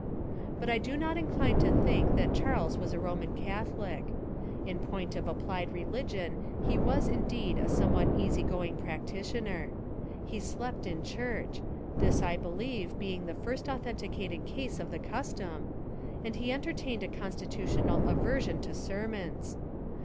But I do not incline to think that Charles was a Roman Catholic. In point of applied religion he was indeed a somewhat easy going practi tioner. He slept in church — this I believe be ing the first authenticated case of the custom — and he entertained a constitutional aversion to sermons.